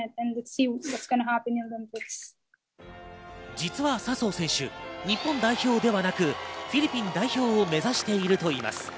実は笹生選手、日本代表ではなくフィリピン代表を目指しているといいます。